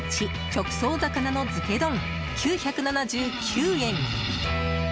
直送魚のヅケ丼、９７９円。